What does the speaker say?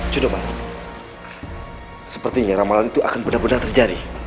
coba sepertinya ramalan itu akan benar benar terjadi